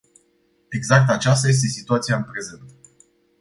Exact aceasta este situația în prezent!